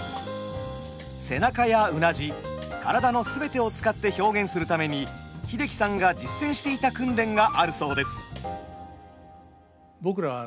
背中やうなじ体の全てを使って表現するために英樹さんが実践していた訓練があるそうです。